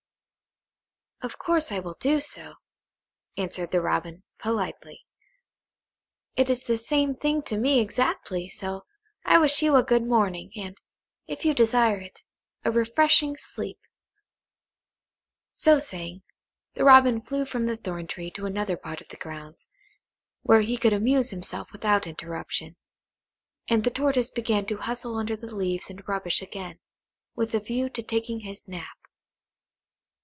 "Of course I will do so," answered the Robin, politely. "It is the same thing to me exactly, so I wish you a good morning, and, if you desire it, a refreshing sleep." So saying, the Robin flew from the thorn tree to another part of the grounds, where he could amuse himself without interruption; and the Tortoise began to hustle under the leaves and rubbish again, with a view to taking his nap.